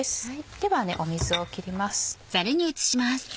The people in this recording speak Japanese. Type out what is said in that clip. では水を切ります。